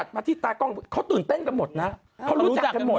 โดมตามจากไหนตามกู